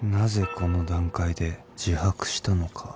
この段階で自白したのか